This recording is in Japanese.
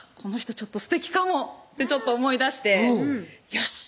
この人すてきかもってちょっと思いだしてよし！